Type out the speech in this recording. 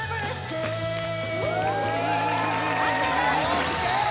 ＯＫ